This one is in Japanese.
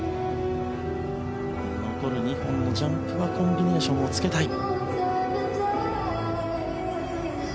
残る２本のジャンプはコンビネーションをつけたい。